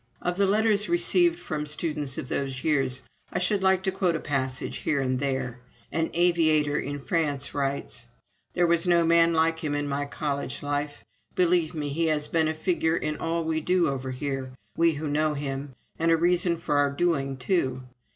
Of the letters received from students of those years I should like to quote a passage here and there. An aviator in France writes: "There was no man like him in my college life. Believe me, he has been a figure in all we do over here, we who knew him, and a reason for our doing, too.